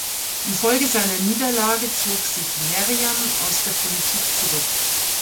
Infolge seiner Niederlage zog sich Merriam aus der Politik zurück.